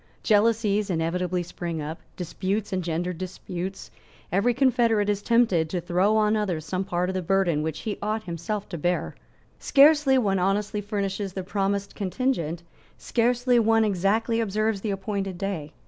Jealousies inevitably spring up. Disputes engender disputes. Every confederate is tempted to throw on others some part of the burden which he ought himself to bear. Scarcely one honestly furnishes the promised contingent. Scarcely one exactly observes the appointed day.